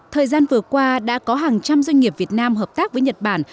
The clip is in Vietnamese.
thời gian vừa qua đã có hàng trăm doanh nghiệp việt nam hợp tác với nhật bản